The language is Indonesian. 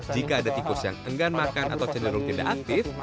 jika ada tikus yang enggan makan atau cenderung tidak aktif